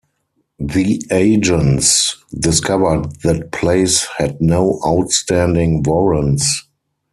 The agents discovered that Place had no outstanding warrants.